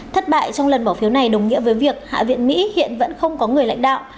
thất bại trong lần bỏ phiếu này đồng nghĩa với việc hạ viện mỹ hiện vẫn không có người lãnh đạo